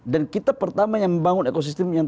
dan kita pertamanya membangun ekosistem yang